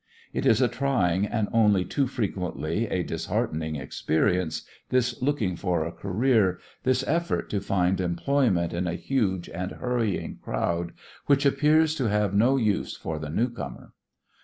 It is a trying and only too frequently a disheartening experience, this looking for a career, this effort to find employment in a huge and hurrying crowd which appears to have no use for the new comer.